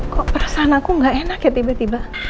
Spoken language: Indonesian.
kok perasaan aku gak enak ya tiba tiba